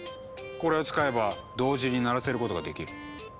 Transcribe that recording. これを使えば同時に鳴らせることができる。